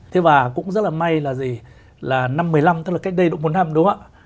thế và cũng rất là may là gì là năm một mươi năm tức là cách đây độ bốn năm đúng không ạ